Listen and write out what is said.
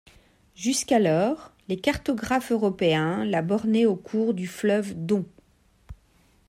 Jusqu'alors, les cartographes européens la bornaient au cours du fleuve Don.